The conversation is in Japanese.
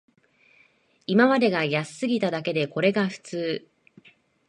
今までが安すぎただけで、これが普通